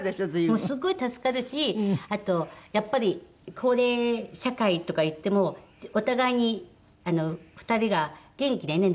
すごい助かるしあとやっぱり高齢社会とかいってもお互いに２人が元気でね